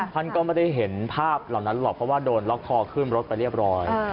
ท่านก็ไม่ได้เห็นภาพเหล่านั้นหรอกเพราะว่าโดนล็อกคอขึ้นรถไปเรียบร้อย